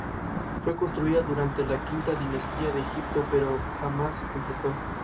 Fue construida durante la Quinta dinastía de Egipto, pero jamás se completó.